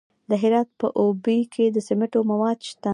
د هرات په اوبې کې د سمنټو مواد شته.